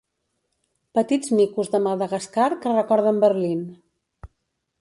Petits micos de Madagascar que recorden Berlin.